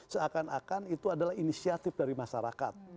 seakan akan itu adalah inisiatif dari masyarakat